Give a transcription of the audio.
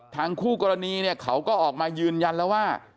คู่กรณีเนี่ยเขาก็ออกมายืนยันแล้วว่า